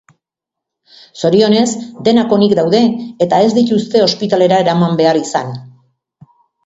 Zorionez, denak onik daude eta ez dituzte ospitalera eraman behar izan.